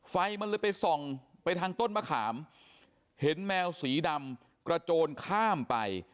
ไฟมันเลยไปส่องไปทางต้นมะขามเห็นแมวสีดำกระโจนข้ามไป